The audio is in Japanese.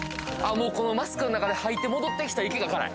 もうマスクの中で吐いて戻ってきた息が辛い